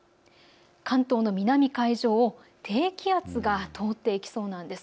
関東の南海上を低気圧が通っていきそうなんです。